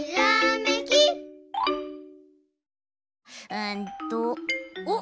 うんとおっ！